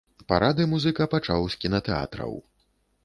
Парады музыка пачаў з кінатэатраў.